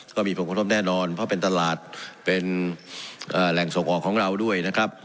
ก็มีผลกระทบแน่นอนเพราะเป็นตลาดเป็นแหล่งส่งออกของเราด้วยนะครับ